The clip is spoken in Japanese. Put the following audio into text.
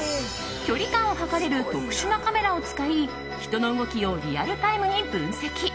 距離感を測れる特殊なカメラを使い人の動きをリアルタイムに分析。